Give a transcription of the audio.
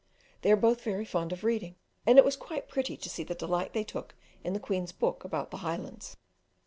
They are both very fond of reading, and it was quite pretty to see the delight they took in the Queen's book about the Highlands.